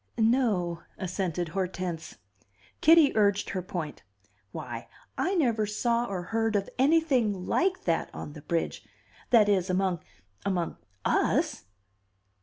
"No," assented Hortense. Kitty urged her point. "Why, I never saw or beard of anything like that on the bridge that is, among among us!"